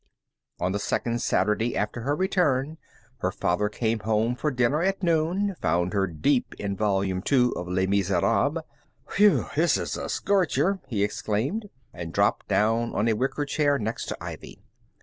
On the second Saturday after her return her father came home for dinner at noon, found her deep in Volume Two of "Les Miserables." "Whew! This is a scorcher!" he exclaimed, and dropped down on a wicker chair next to Ivy.